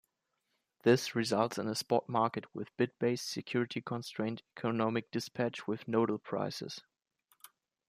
This results in a spot market with "bid-based, security-constrained, economic dispatch with nodal prices".